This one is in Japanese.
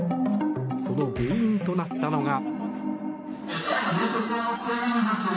その原因となったのが。